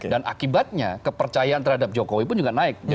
dan akibatnya kepercayaan terhadap jokowi pun juga naik